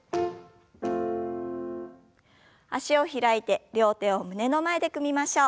脚を開いて両手を胸の前で組みましょう。